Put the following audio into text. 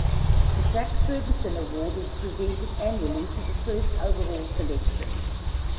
The Jack Ferguson Award is presented annually to the first overall selection.